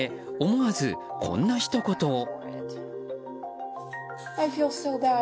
思わず、こんなひと言を。